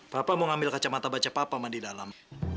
papa mau ngambil kacamata baca papa di dalam